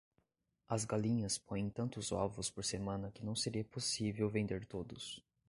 As galinhas põem tantos ovos por semana que não seria possível vender todos.